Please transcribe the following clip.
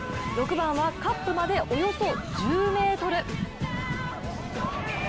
６番は、カップまでおよそ１０ｍ。